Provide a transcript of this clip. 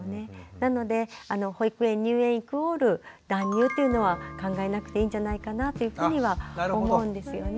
なので保育園入園イコール断乳っていうのは考えなくていいんじゃないかなというふうには思うんですよね。